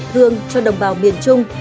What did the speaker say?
thương cho đồng bào miền trung